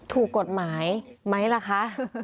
ถูกกฎหมายไหมล่ะคะ